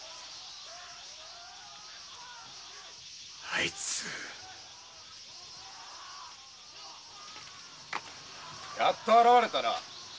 あいつやっと現れたな。